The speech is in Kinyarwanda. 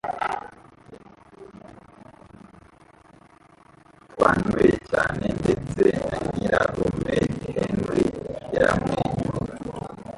Twanyweye cyane ndetse na nyirarume Henry yaramwenyura